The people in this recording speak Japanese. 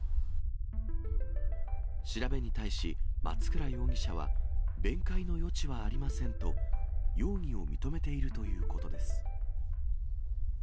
調べに対し、松倉容疑者は弁解の余地はありませんと、容疑を認めているということです。